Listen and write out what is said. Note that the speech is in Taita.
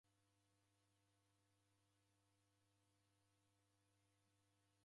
isi ndedikunde agho malagho